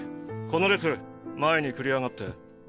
この列前に繰り上がって。